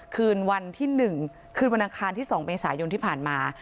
คืนวันที่๑คืนวันอังคารที่๒เมษายนที่ผ่านมา